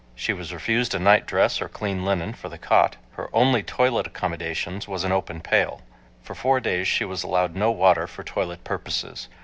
She was refused a nightdress or clean linen for the cot. Her only toilet accommodations was an open pail. For four days she was allowed no water for toilet purposes.